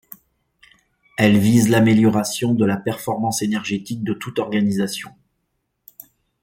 Elle vise l’amélioration de la performance énergétique de toute organisation.